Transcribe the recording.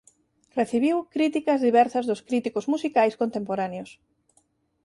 Recibiu críticas diversas dos críticos musicais contemporáneos.